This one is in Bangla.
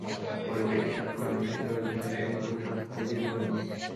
পরে মেয়েটির স্বাক্ষর নেওয়ার বিষয়ে জানতে চাইলে তিনি কোনো সদুত্তর দিতে পারেননি।